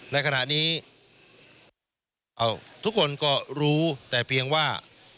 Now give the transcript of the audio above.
ในขณะนี้ทุกคนก็รู้แต่เพียงว่า